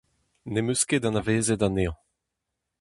Ne'm eus ket anavezet anezhañ.